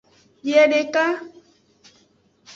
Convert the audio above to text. Biedeka.